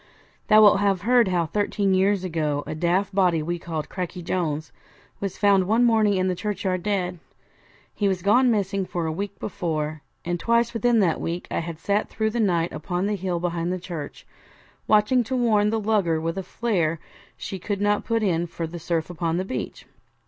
Thou wilt have heard how thirteen years ago a daft body we called Cracky Jones was found one morning in the churchyard dead. He was gone missing for a week before, and twice within that week I had sat through the night upon the hill behind the church, watching to warn the lugger with a flare she could not put in for the surf upon the beach.